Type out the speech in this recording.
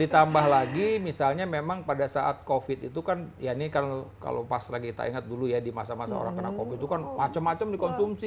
ditambah lagi misalnya memang pada saat covid itu kan ya ini kan kalau pas lagi kita ingat dulu ya di masa masa orang kena covid itu kan macam macam dikonsumsi